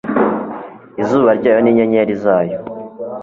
Izuba ryayo ninyenyeri zayo